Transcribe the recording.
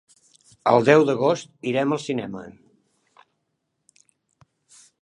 El deu d'agost irem al cinema.